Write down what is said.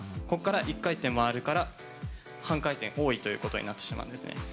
ここから１回転回るから、半回転多いということになってしまうんですね。